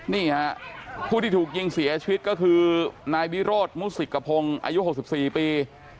นี่ฮะผู้ที่ถูกยิงเสียชีวิตก็คือนายวิโรธมุสิกพงศ์อายุ๖๔ปี